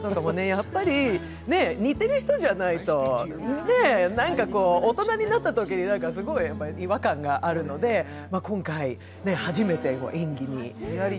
やっぱり似てる人じゃないとなんかこう、大人になったときにすごい違和感があるので、今回、初めて演技に。